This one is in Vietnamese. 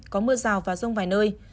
có mưa rào và rông vài nơi